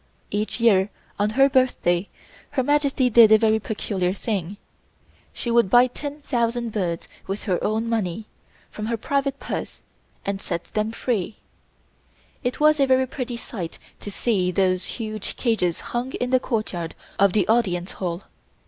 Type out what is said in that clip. Each year, on her birthday, Her Majesty did a very peculiar thing. She would buy 10,000 birds with her own money, from her private purse and set them free. It was a very pretty sight to see those huge cages hung in the courtyard of the Audience Hall.